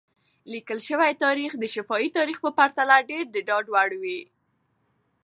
لیکل شوی تاریخ د شفاهي تاریخ په پرتله ډېر د ډاډ وړ وي.